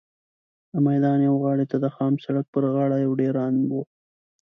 د میدان یوې غاړې ته د خام سړک پر غاړه یو ډېران و.